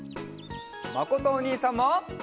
まことおにいさんも。